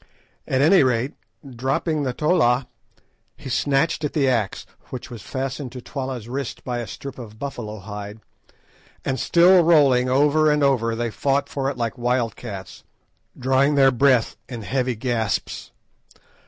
At any rate, dropping the tolla, he snatched at the axe, which was fastened to Twala's wrist by a strip of buffalo hide, and still rolling over and over, they fought for it like wild cats, drawing their breath in heavy gasps.